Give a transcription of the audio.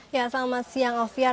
ya selamat siang oviar